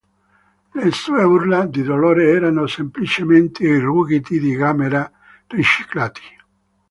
Le sue urla di dolore erano semplicemente i ruggiti di Gamera riciclati.